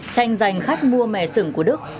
tranh giành khách mua mè sửng của đức